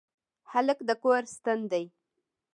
هلک د کور ستن دی.